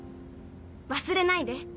忘れないで。